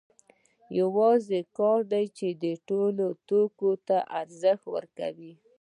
یوازې کار دی چې ټولو توکو ته ارزښت ورکوي